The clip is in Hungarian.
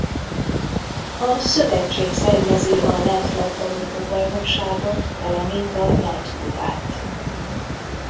A szövetség szervezi a lett labdarúgó-bajnokságot valamint a lett kupát.